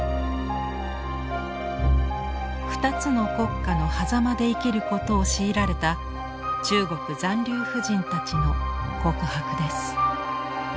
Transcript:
二つの国家のはざまで生きることを強いられた中国残留婦人たちの告白です。